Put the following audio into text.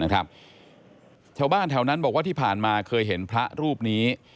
ชาวบ้านแถวนั้นบอกว่าที่ผ่านมาเคยเห็นพระรูปนี้